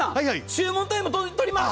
注文タイムを取ります。